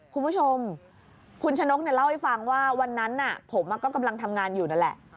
คุณผู้ชมคุณชะนกเล่าให้ฟังว่าวันนั้นผมก็กำลังทำงานอยู่นั่นแหละ